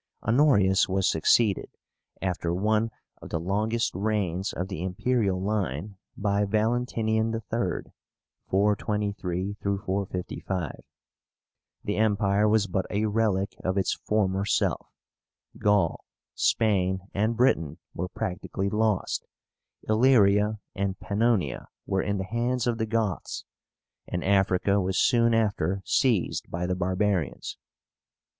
Honorius was succeeded, after one of the longest reigns of the imperial line, by VALENTINIAN III. (423 455). The Empire was but a relic of its former self. Gaul, Spain, and Britain were practically lost; Illyria and Pannonia were in the hands of the Goths; and Africa was soon after seized by the barbarians.